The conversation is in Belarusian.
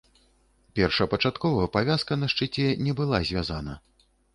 Першапачаткова павязка на шчыце не была звязана.